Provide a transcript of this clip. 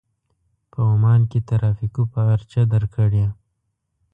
په عمان کې ترافيکو پارچه درکړې.